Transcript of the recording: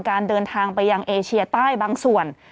การเดินทางไปยังเอเชียใต้บางส่วน